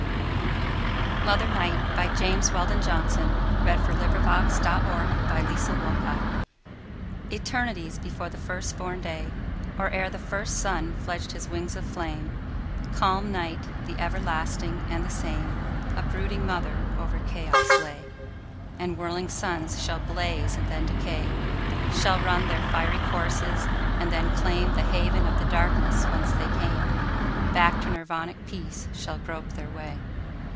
Weldon Johnson, ed. (1871–1938). The Book of American Negro Poetry. 1922. Mother Night ETERNITIES before the first born day, Or ere the first sun fledged his wings of flame, Calm Night, the everlasting and the same,A brooding mother over chaos lay. And whirling suns shall blaze and then decay, Shall run their fiery courses and then claimThe haven of the darkness whence they came; Back to Nirvanic peace shall grope their way.